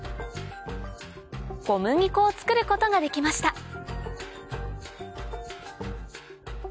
小麦粉を作ることができました